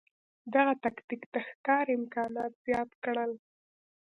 دغه تکتیک د ښکار امکانات زیات کړل.